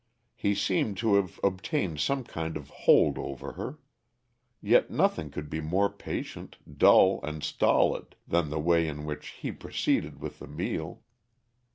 He seemed to have obtained some kind of hold over her. Yet nothing could be more patient, dull, and stolid than the way in which he proceeded with the meal.